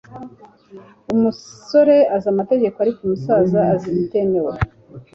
umusore azi amategeko, ariko umusaza azi ibitemewe